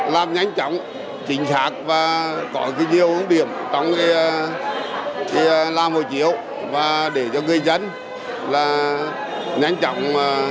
làm nhanh chóng chính xác và có nhiều ứng điểm trong làm hộ chiếu và để cho người dân nhanh chóng